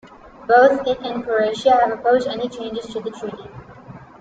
Both it and Croatia have opposed any changes to the treaty.